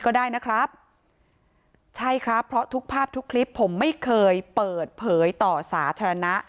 ก็ได้นะครับใช่ครับเพราะทุกภาพทุกคลิปผมไม่เคยเปิดเผยต่อสาธารณะ